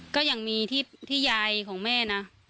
ก็ยังมีที่ยายของแม่นะ